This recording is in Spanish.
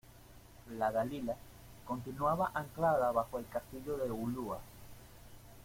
" la Dalila " continuaba anclada bajo el Castillo de Ulua